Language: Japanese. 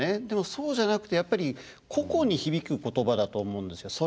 でもそうじゃなくてやっぱり個々に響く言葉だと思うんですよ。